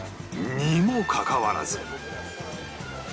にもかかわらず